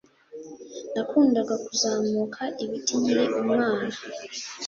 Nakundaga kuzamuka ibiti nkiri umwana.